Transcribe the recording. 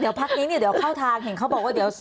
เดี๋ยวพักนี้เนี่ยเดี๋ยวเข้าทางเห็นเขาบอกว่าเดี๋ยว